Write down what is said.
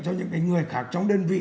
cho những cái người khác trong đơn vị